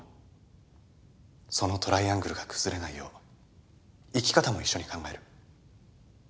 そのトライアングルが崩れないよう生き方も一緒に考える。